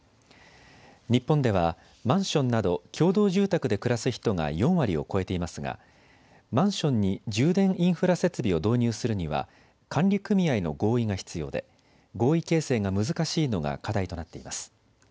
日本ではマンションなど共同住宅で暮らす人が４割を超えていますがマンションに充電インフラ設備を導入するには管理組合の合意が必要で合意形成が難しいのが課題となっています。